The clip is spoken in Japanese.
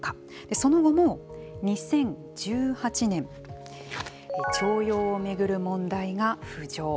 そのあとも２０１８年徴用を巡る問題が浮上。